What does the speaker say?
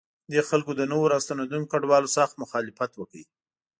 دې خلکو د نویو راستنېدونکو کډوالو سخت مخالفت وکړ.